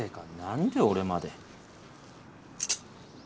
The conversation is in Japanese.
んで俺まで？